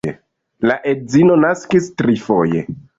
Lia edzino naskis trifoje.